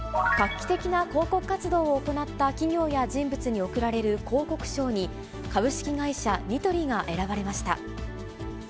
画期的な広告活動を行った企業や人物に贈られる広告賞に、株式会社ニトリが選ばれました。